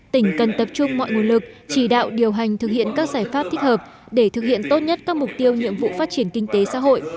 tỉnh cần tập trung mọi nguồn lực chỉ đạo điều hành thực hiện các giải pháp thích hợp để thực hiện tốt nhất các mục tiêu nhiệm vụ phát triển kinh tế xã hội